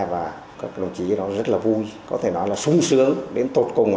và các đồng chí đó rất là vui có thể nói là sung sướng đến tột cùng